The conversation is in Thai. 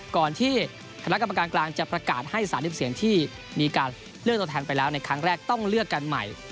ก่อนที่คณะกรรมการกลางจะประกาศให้๓๐เสียงที่มีการเลือกตัวแทนไปแล้วในครั้งแรกต้องเลือกกันใหม่